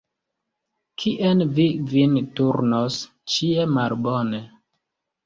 Kien vi vin turnos, ĉie malbone.